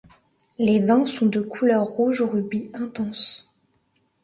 Les vins sont de couleur rouge rubis intense.